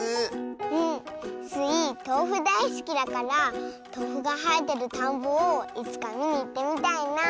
うん。スイとうふだいすきだからとうふがはえてるたんぼをいつかみにいってみたいなあ。